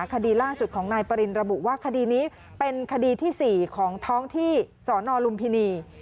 คดีล่าสุดของนายปรินระบุว่าคดีนี้เป็นคดีที่๔ของท้องที่สนลุมพินี